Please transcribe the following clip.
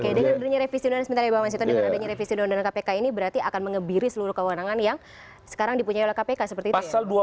oke dengan adanya revisi undang undang sebenarnya bang mas sito dengan adanya revisi undang undang kpk ini berarti akan mengebiri seluruh kewenangan yang sekarang dipunyai oleh kpk seperti itu